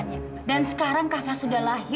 tapi sekarang dia sudah berpikir